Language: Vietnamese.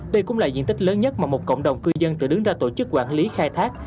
đây cũng là diện tích lớn nhất mà một cộng đồng cư dân tự đứng ra tổ chức quản lý khai thác